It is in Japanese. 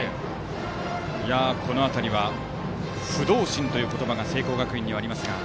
この辺りは不動心という言葉が聖光学院にはありますが。